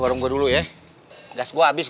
eh lo berdua sini